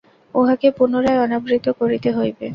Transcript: উহাকে পুনরায় অনাবৃত করিতে হইবে।